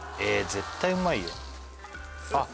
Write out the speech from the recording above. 絶対うまいよあっ